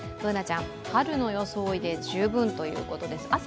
Ｂｏｏｎａちゃん、春の装いで十分ということです。